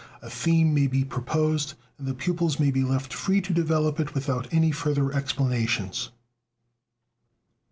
"A theme may be proposed and the pupils may be left free to develop it without any further explanations.